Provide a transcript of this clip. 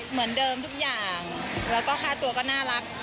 เหมือนเดิมทุกอย่างแล้วก็ค่าตัวก็น่ารัก